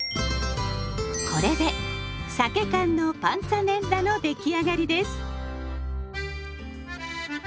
これでさけ缶のパンツァネッラの出来上がりです。